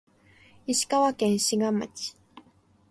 石川県志賀町